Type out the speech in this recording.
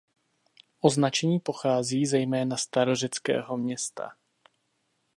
Označení pochází ze jména starořeckého města.